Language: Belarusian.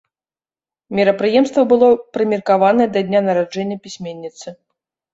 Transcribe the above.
Мерапрыемства было прымеркаванае да дня нараджэння пісьменніцы.